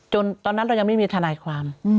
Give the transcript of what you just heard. ตอนนั้นเรายังไม่มีทนายความ